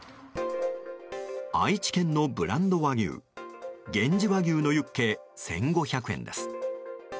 愛知県のブランド和牛源氏和牛のユッケ１５００円です。